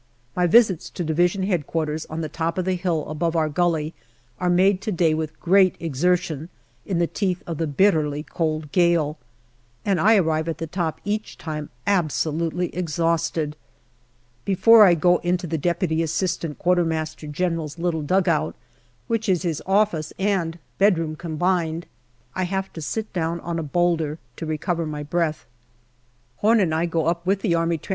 My visits to D.H.Q. on the top of the hill above our gully are made to day with great exertion in the teeth of the bitterly cold gale, and I arrive at the top each time absolutely exhausted. Before I go into the D.A.Q.M.G/s little dugout, which is his office and bedroom combined, I have to sit down on a boulder to recover my breath. Horn and I go up with the A.